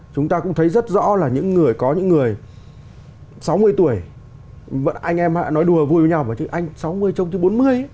chúng ta cũng thấy rất rõ là những người có những người sáu mươi tuổi anh em nói đùa vui với nhau mà anh sáu mươi trông chứ bốn mươi